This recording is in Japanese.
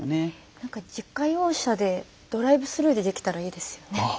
何か自家用車でドライブスルーでできたらいいですよね。